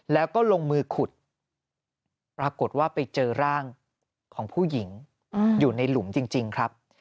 แล้วก็ลงมือขุดปรากฏว่าไปเจอร่างของผู้หญิงอยู่ในหลุมจริงครับ